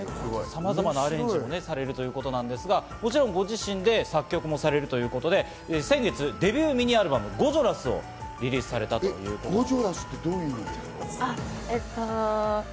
さまざまなアレンジをされるということなんですが、もちろんご自身で作曲もされるということで、先月デビューミニアルバム『Ｇｏｊｏｌｏｕｓ』をリリースされたということです。